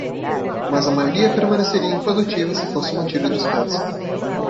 Mas a maioria permaneceria improdutiva se fosse mantida dispersa.